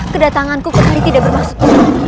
kedatanganku kekali tidak bermaksud